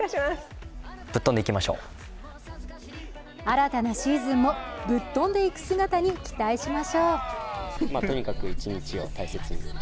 新たなシーズンもぶっ飛んでいく姿に期待しましょう。